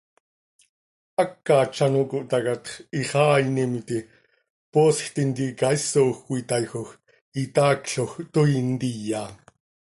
Hacat z ano cohtácatx, hixaainim iti, poosj tintica isoj cöitaaijoj, itaacloj, toii ntiya.